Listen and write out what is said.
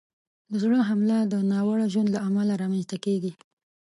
د زړه حمله د ناوړه ژوند له امله رامنځته کېږي.